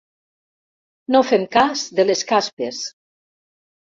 No fem cas de les caspes.